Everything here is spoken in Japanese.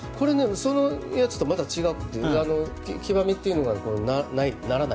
そのやつとまた違くて黄ばみというのがならない。